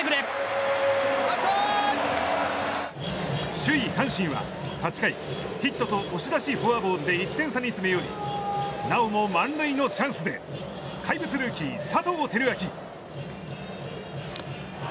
首位、阪神は８回ヒットと押し出しフォアボールで１点差に詰め寄りなおも満塁のチャンスで怪物ルーキー佐藤輝明。